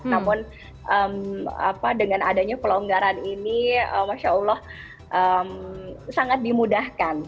namun dengan adanya pelonggaran ini masya allah sangat dimudahkan